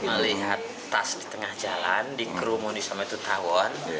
melihat tas di tengah jalan dikerumuni sama itu tawon